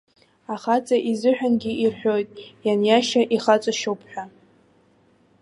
Ахаҵа изыҳәангьы ирҳәоит, ианиашьа ихаҵашьоуп ҳәа.